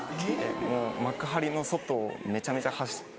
もう幕張の外をめちゃめちゃ走って。